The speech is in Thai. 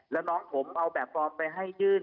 แล้วน้องผมเอาแบบฟอร์มไปให้ยื่น